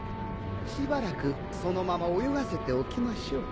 しばらくそのまま泳がせておきましょう。